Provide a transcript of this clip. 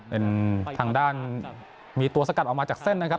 เป็นทางด้านมีตัวสกัดออกมาจากเส้นนะครับ